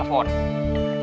tidak boleh menerima telpon